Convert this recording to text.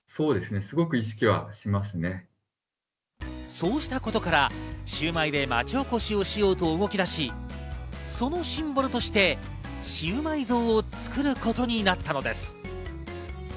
そうしたことから、シウマイで町おこしをしようと動き出し、そのシンボルとしてシウマイ像を作ることになったのです。